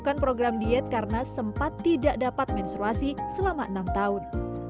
melakukan program diet karena sempat tidak dapat menstruasi selama enam tahun